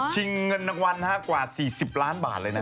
ชิงเงินนักวันถ้ากว่า๔๐ล้านบาทเลยนะ